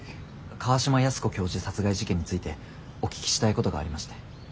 川島泰子教授殺害事件についてお聞きしたいことがありまして。